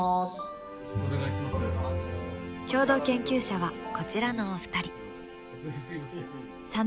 共同研究者はこちらのお二人。